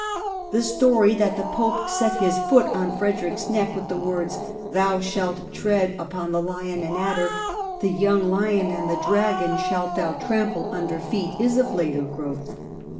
The story that the Pope set his foot on Frederick's neck, with the words, " Thou shalt tread upon the lion and adder : the young lion and the dragon shalt thou trample under feet," is of later growth.